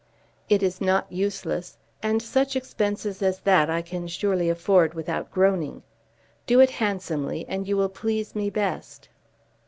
"It is not useless, and such expenses as that I can surely afford without groaning. Do it handsomely and you will please me best."